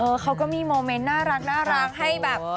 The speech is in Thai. เขาก็มีโมเมนต์น่ารักให้แบบ